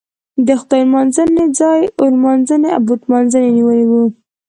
د خدای نمانځنې ځای اور نمانځنې او بت نمانځنې نیولی و.